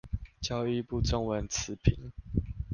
教育部中文詞頻